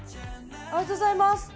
ありがとうございます。